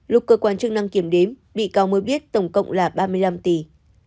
lúc cơ quan chức năng kiểm đếm bị cáo mới biết tổng cộng là ba mươi năm tỷ